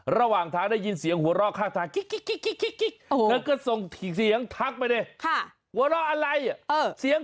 ระหว่างทางได้ยินเสียงหัวเราะข้างทาง